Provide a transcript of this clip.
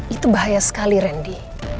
itu bahaya sekali rendy